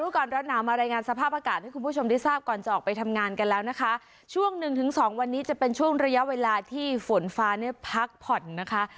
ก่อนร้อนหนาวมารายงานสภาพอากาศให้คุณผู้ชมได้ทราบก่อนจะออกไปทำงานกันแล้วนะคะช่วงหนึ่งถึงสองวันนี้จะเป็นช่วงระยะเวลาที่ฝนฟ้าเนี่ยพักผ่อนนะคะ